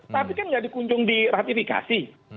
tapi kan nggak dikunjung di ratifikasi